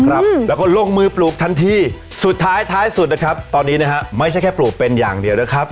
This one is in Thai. แล้วก็ลงมือปลูกทันทีสุดท้ายท้ายสุดนะครับตอนนี้นะฮะไม่ใช่แค่ปลูกเป็นอย่างเดียวนะครับ